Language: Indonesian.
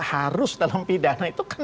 harus dalam pidana itu